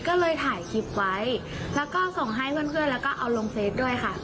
ก็เลยถ่ายคลิปไว้แล้วก็ส่งให้เพื่อนเพื่อนแล้วก็เอาลงเฟสด้วยค่ะ